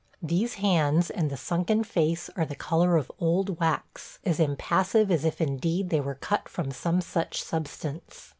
These hands and the sunken face are the color of old wax, as impassive as if indeed they were cut from some such substance.